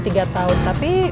tiga tahun tapi